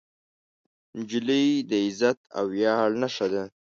نجلۍ د عزت او ویاړ نښه ده.